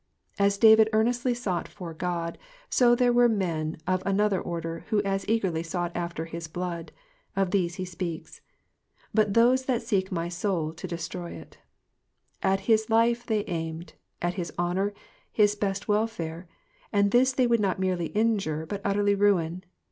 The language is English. As David earnestly sought for God, so there were men of another order who as eagerly sought after his blood ; of these he speaks : Bwi those that $eek my sotd^ to destroy it,'*'' At his life they aimed, at his honour, his best welfare ; and this they would not merely injure but utterly ruin.